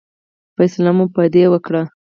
فیصله مو په دې وکړه.